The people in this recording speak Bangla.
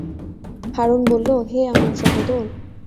হারূন বলল, হে আমার সহোদর!